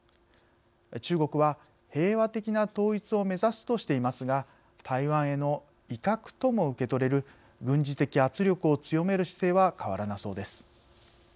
中国は、平和的な統一を目指すとしていますが台湾への威嚇とも受け取れる軍事的圧力を強める姿勢は変わらなさそうです。